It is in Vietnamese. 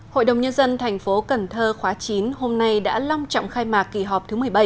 hội đồng nhân dân thành phố cần thơ khóa chín hôm nay đã long trọng khai mạc kỳ họp thứ một mươi bảy